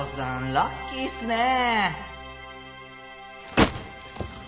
ラッキーすねぇ。